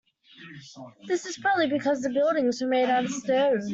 This is probably because the buildings were made out of stone.